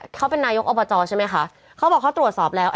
เขาเป็นนายกอบจใช่ไหมคะเขาบอกเขาตรวจสอบแล้ว